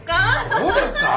そうですか？